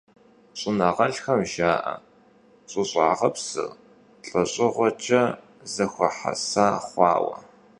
ЩӀэныгъэлӀхэм жаӀэ щӀыщӀагъыпсыр лӀэщӀыгъуэкӀэрэ зэхуэхьэса хъуауэ.